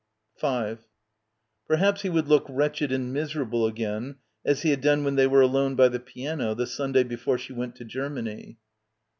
5 Perhaps he would look wretched and miserable again as he had done when they were alone by the piano the Sunday before she went to Germany.